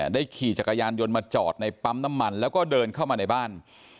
ขี่จักรยานยนต์มาจอดในปั๊มน้ำมันแล้วก็เดินเข้ามาในบ้าน